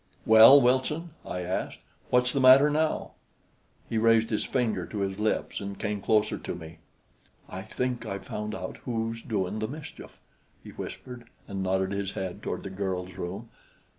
"Well, Wilson," I asked. "What's the matter now?" He raised his finger to his lips and came closer to me. "I think I've found out who's doin' the mischief," he whispered, and nodded his head toward the girl's room.